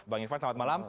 bang irfan selamat malam